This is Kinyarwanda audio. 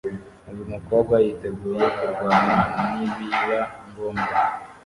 Uyu mukobwa yiteguye kurwana nibiba ngombwa